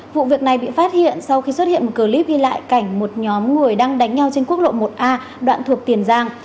vụ việc này bị phát hiện sau khi xuất hiện một clip ghi lại cảnh một nhóm người đang đánh nhau trên quốc lộ một a đoạn thuộc tiền giang